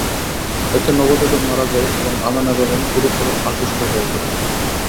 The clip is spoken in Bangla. এতে নবজাতক মারা যায় এবং আমেনা বেগম গুরুতর অসুস্থ হয়ে পড়েন।